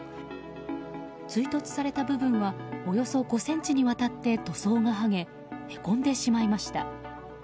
追突された部分はおよそ５ｃｍにわたって塗装が剥げへこんでしまいました。